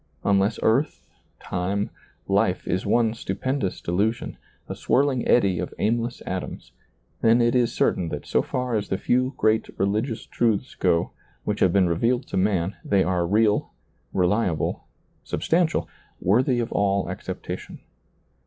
Unless earth, time, life, is one stupendous delusion, a swirling eddy of aimless atoms, then it is certain that so far as the few great religious truths go, which have been revealed to man, they are real, reliable, substantial, worthy of all acceptation.